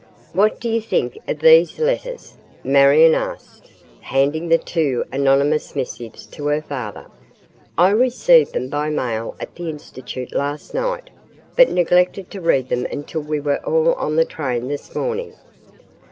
"What do you think of these letters?" Marion asked, handing the two anonymous missives to her father. "I received them by mail at the Institute last night, but neglected to read them until we were all on the train this morning."